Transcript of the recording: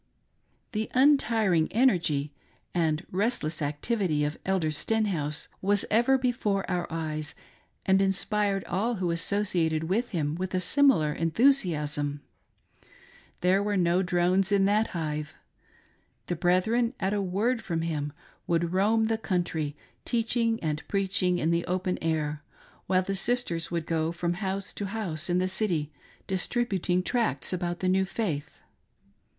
The untiring 'energy and restless activity of Elder' Sten house was ever before our eyes, and inspired all who associ ated with him with a similar enthusiasm. There were no drones in that hive. The brethren, at a word from him, ivould roam the country, teaching and preaching in the open Air, while the sisters would go from house to house in the "jty, distributing tracts about the new faith.